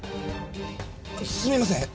すみません！